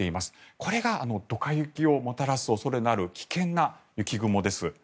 これがドカ雪をもたらす恐れのある危険な雪雲です。